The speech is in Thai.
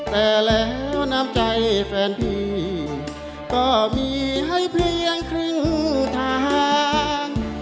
แต่แล้วน้ำใจแฟนพี่ก็มีให้เพียงครึ่งทาง